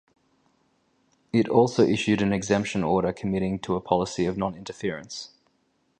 It also issued an exemption order committing to a policy of non-interference.